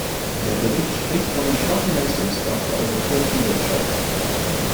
Der Bericht spricht von der schwachen Leistungskraft der europäischen Wirtschaft.